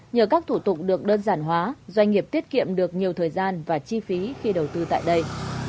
nhờ các thủ tục được đơn giản hóa doanh nghiệp tiết kiệm được nhiều thời gian và chi phí khi đầu tư tại đây